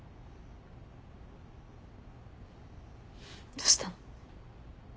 どしたの？